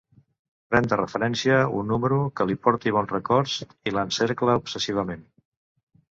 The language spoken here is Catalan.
Pren de referència un número que li porti bons records i l'encercla obsessivament.